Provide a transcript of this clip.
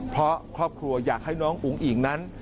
เพราะครอบครัวอยากให้น้องอุ๋งอิ่งนั้น